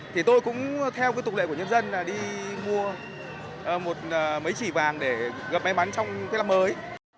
thì tôi cũng theo cái tục lệ của nhân dân là đi mua một mấy chỉ vàng để gặp may mắn trong cái năm mới